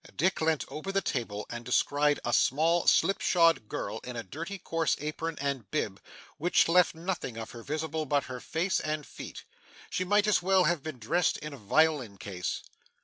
Dick leant over the table, and descried a small slipshod girl in a dirty coarse apron and bib, which left nothing of her visible but her face and feet. She might as well have been dressed in a violin case.